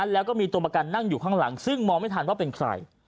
แล้วก็มีตัวประกันนั่งอยู่ข้างหลังซึ่งมองไม่ทันว่าเป็นใคร